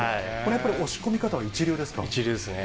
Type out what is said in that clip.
やっぱり押し込み方は一流で一流ですね。